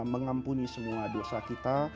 mengampuni semua dosa kita